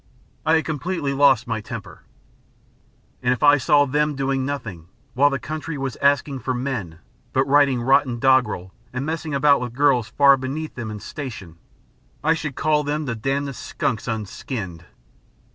I had completely lost my temper. "And if I saw them doing nothing, while the country was asking for MEN, but writing rotten doggerel and messing about with girls far beneath them in station, I should call them the damnedest skunks unskinned!"